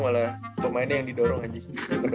pokoknya yang didorong aja